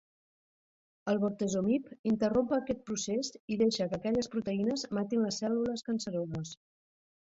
El bortezomib interromp aquest procés i deixa que aquelles proteïnes matin les cèl·lules canceroses.